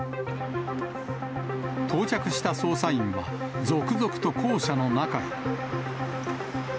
到着した捜査員は、続々と校舎の中へ。